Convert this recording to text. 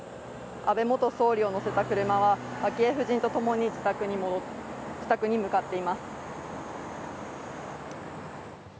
安倍元総理を乗せた車は昭恵夫人とともに自宅に向かっています。